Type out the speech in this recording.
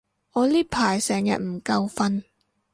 我呢排成日唔夠瞓